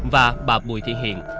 và bà bùi thị hiền